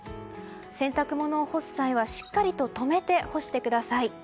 洗濯物を干す際はしっかりととめて干してください。